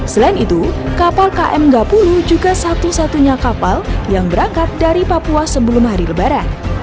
selain itu kapal km gapulu juga satu satunya kapal yang berangkat dari papua sebelum hari lebaran